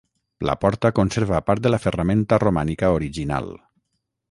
La porta conserva part de la ferramenta romànica original.